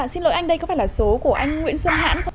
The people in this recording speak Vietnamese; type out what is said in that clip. xin lỗi anh đây có phải là số của anh nguyễn xuân hãn không ạ